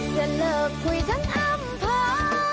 โปรดติดตามตอนต่อไป